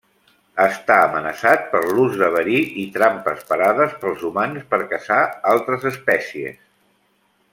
Està amenaçat per l'ús de verí i trampes parades pels humans per caçar altres espècies.